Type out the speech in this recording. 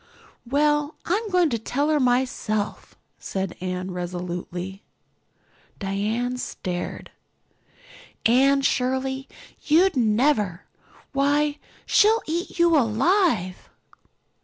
"Well, I'm going in to tell her myself," said Anne resolutely. Diana stared. "Anne Shirley, you'd never! why she'll eat you alive!"